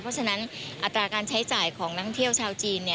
เพราะฉะนั้นอัตราการใช้จ่ายของนักท่องเที่ยวชาวจีน